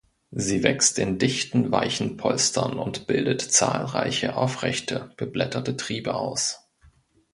Sie wächst in dichten weichen Polstern und bildet zahlreiche aufrechte, beblätterte Triebe aus.